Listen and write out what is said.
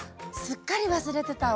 すっかり忘れてた。